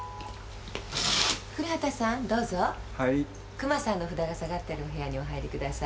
クマさんの札が下がってるお部屋にお入りください。